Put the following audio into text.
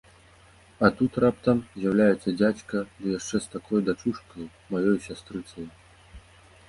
А тут раптам з'яўляецца дзядзька, ды яшчэ з такою дачушкаю, маёю сястрыцаю!